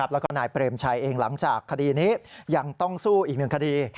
แล้วก็นายเปรมชัยเองหลังจากคดีนี้ยังต้องสู้อีกหนึ่งคดี